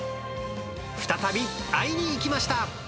再び会いに行きました。